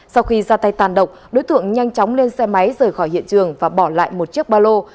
sau khi ra tay tàn độc đối tượng nhanh chóng lên xe máy rời khỏi hiện trường và bỏ lại một chiếc ba lô